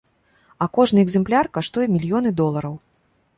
А кожны экземпляр каштуе мільёны долараў.